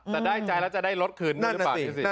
แต่ได้ใจแล้วจะได้รถคืนหรือเปล่า